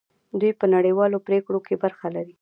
دوی په نړیوالو پریکړو کې برخه لري.